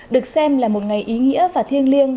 được xem là một ngày ý nghĩa và thiêng liêng